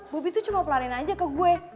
bobi tuh cuma pelanin aja ke gue